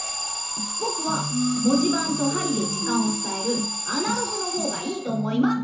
ぼくは文字ばんとはりで時間をつたえるアナログのほうがいいと思います！